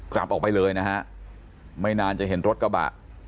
กลับออกไปเลยนะฮะไม่นานจะเห็นรถกระบะ